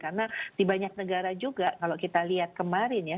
karena di banyak negara juga kalau kita lihat kemarin ya